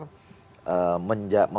membangun komunikasi dengan berbagai stakeholder